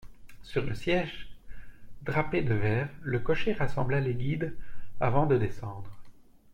Sur le siège drapé de vert, le cocher rassembla les guides avant de descendre.